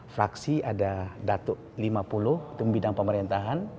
fraksi ada datuk lima puluh bidang pemerintahan